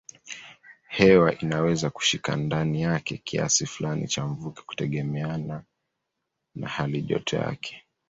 Hewa inaweza kushika ndani yake kiasi fulani cha mvuke kutegemeana na halijoto yake.